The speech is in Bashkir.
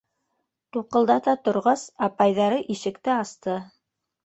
Туҡылдата торғас, апайҙары ишекте асты.